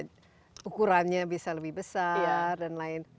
ya ukurannya bisa lebih besar dan lain